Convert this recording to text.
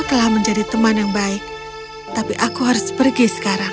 telah menjadi teman yang baik tapi aku harus pergi sekarang